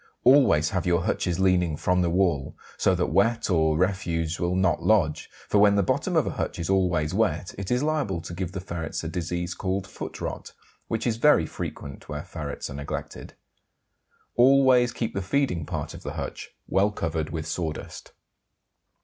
Always have your hutches leaning from the wall, so that wet or refuse will not lodge, for when the bottom of a hutch is always wet it is liable to give the ferrets a disease called foot rot, which is very frequent where ferrets are neglected. Always keep the feeding part of the hutch well covered with sawdust.